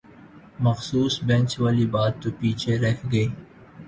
مخصوص بینچ والی بات تو پیچھے رہ گئی